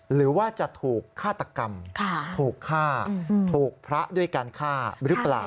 หรือว่าจะถูกฆาตกรรมถูกฆ่าถูกพระด้วยการฆ่าหรือเปล่า